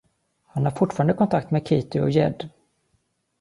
Han har fortfarande kontakt med Keaty och Jed.